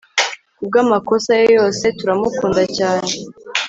kubwamakosa ye yose turamukunda cyane